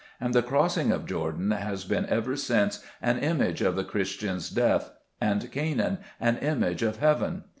And the crossing of Jordan has been ever since an image of the Christian's death, and Canaan an image of heaven.